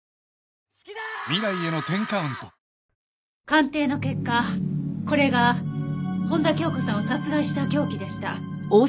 鑑定の結果これが本多鏡子さんを殺害した凶器でした。